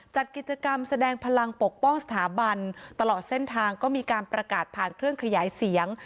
จัดกิจกรรมแสดงพลังปกป้องสถาบันตลอดเส้นทางก็มีการประกาศผ่านเครื่องขยายเสียง